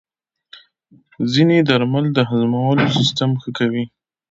ځینې درمل د هضمولو سیستم ښه کوي.